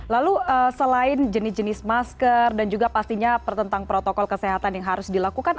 lalu selain jenis jenis masker dan juga pastinya pertentang protokol kesehatan yang harus dilakukan